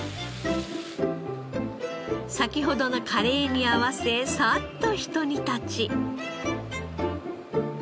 先ほどのカレーに合わせサッとひと煮立ち。